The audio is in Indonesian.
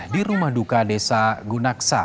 di rumah duka desa gunaksa